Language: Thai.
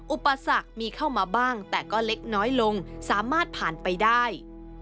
อุปสรรคมีเข้ามาบ้างแต่ก็เล็กน้อยลงสามารถผ่านไปได้